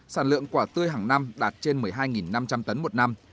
sản lượng quả tươi hàng năm đạt trên một mươi hai năm trăm linh tấn một năm